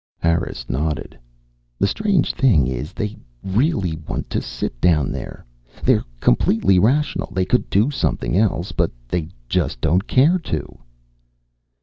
Harris nodded. "The strange thing is they really want to sit down there. They're completely rational; they could do something else, but they just don't care to."